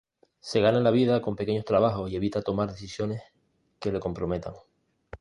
Se gana la vida con pequeños trabajos, y evita tomar decisiones que le comprometan.